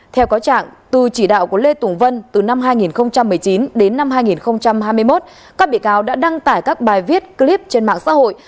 theo có trạng từ chỉ đạo của lê tùng vân từ năm hai nghìn một mươi chín đến năm hai nghìn hai mươi một các bị cáo đã đăng tải các bài viết clip trên mạng xã hội